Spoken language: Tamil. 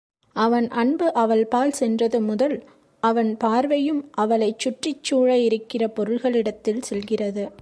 அவன் அன்பு அவள்பால் சென்றது முதல் அவன் பார்வையும் அவளைச் சுற்றிச் சூழ இருக்கிற பொருள்களிடத்தில் செல்கிறது.